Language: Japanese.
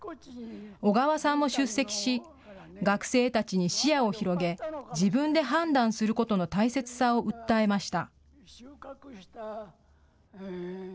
小川さんも出席し学生たちに視野を広げ自分で判断することの大切さを訴えました。